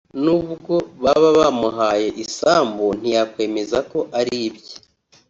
nubwo baba bamuhaye isambu ntiyakwemeza ko ari ibye